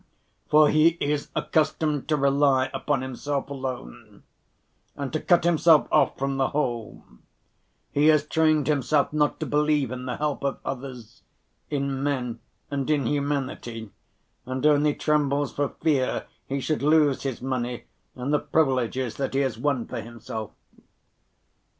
For he is accustomed to rely upon himself alone and to cut himself off from the whole; he has trained himself not to believe in the help of others, in men and in humanity, and only trembles for fear he should lose his money and the privileges that he has won for himself.